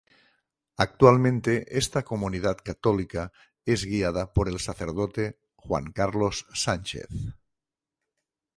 Actualmente esta comunidad católica es guiada por el Sacerdote Juan Carlos Sánchez.